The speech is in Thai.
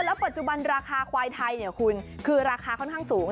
แล้วปัจจุบันราคาควายไทยคุณคือราคาค่อนข้างสูง